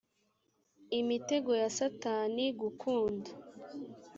imitego ya satani gukunda